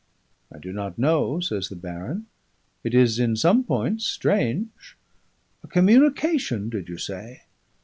'I do not know,' says the baron. 'It is in some points strange. A communication, did you say!